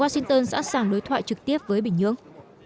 washington sẵn sàng đối thoại trực tiếp với bình nhưỡng